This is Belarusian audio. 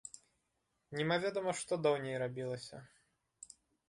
Немаведама што даўней рабілася.